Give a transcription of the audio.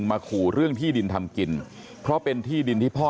ชาวบ้านในพื้นที่บอกว่าปกติผู้ตายเขาก็อยู่กับสามีแล้วก็ลูกสองคนนะฮะ